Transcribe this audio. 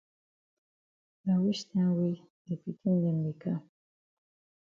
Na wich time wey de pikin dem be kam?